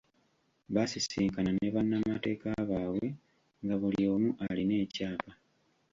Baasisinkana ne bannamateeka baabwe nga buli omu alina ekyapa.